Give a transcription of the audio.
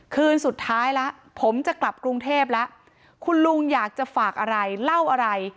คืนสุดท้ายแล้วผมจะกลับกรุงเทพแล้วคุณลุงอยากจะฝากอะไรเล่าอะไร